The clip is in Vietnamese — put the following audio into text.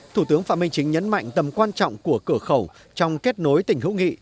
thủ tướng phạm minh chính nhấn mạnh tầm quan trọng của cửa khẩu trong kết nối tỉnh hữu nghị